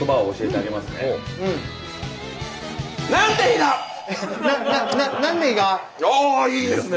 ああいいですね！